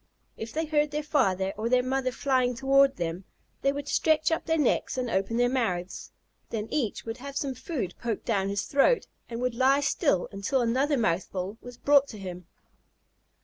If they heard their father or their mother flying toward them, they would stretch up their necks and open their mouths. Then each would have some food poked down his throat, and would lie still until another mouthful was brought to him.